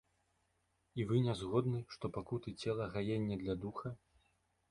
І вы не згодны, што пакуты цела гаенне для духа?